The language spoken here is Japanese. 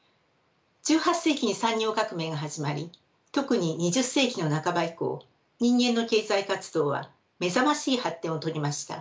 １８世紀に産業革命が始まり特に２０世紀の半ば以降人間の経済活動は目覚ましい発展を遂げました。